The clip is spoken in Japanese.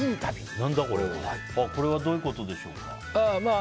これはどういうことでしょう。